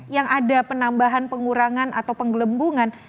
yang ada penambahan pengurangan atau penggelembungan